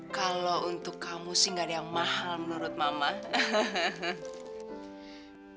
kalau untuk kamu sih nggak ada yang mahal menurut mama he he he